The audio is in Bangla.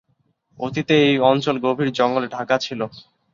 অতীতে এই অঞ্চল গভীর জঙ্গলে ঢাকা ছিল।